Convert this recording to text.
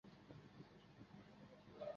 蔗黄杜鹃为杜鹃花科杜鹃属下的一个种。